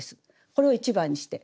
これを１番にして。